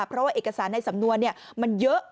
เพราะว่าเอกสารในสำนวนมันเยอะ